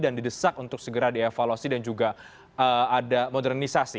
didesak untuk segera dievaluasi dan juga ada modernisasi